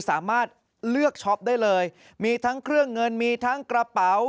สามารถเลือกช็อปได้เลยมีทั้งเครื่องเงินมีทั้งกระเป๋า